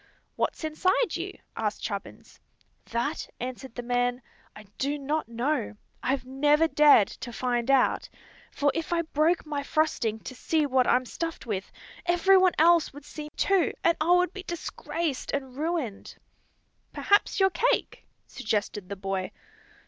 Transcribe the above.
"What's inside you?" asked Chubbins. "That," answered the man, "I do not know. I've never dared to find out. For if I broke my frosting to see what I'm stuffed with, every one else would see too, and I would be disgraced and ruined." "Perhaps you're cake," suggested the boy.